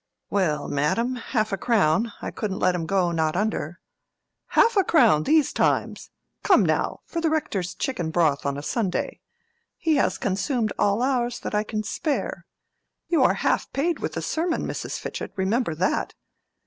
"Well, madam, half a crown: I couldn't let 'em go, not under." "Half a crown, these times! Come now—for the Rector's chicken broth on a Sunday. He has consumed all ours that I can spare. You are half paid with the sermon, Mrs. Fitchett, remember that.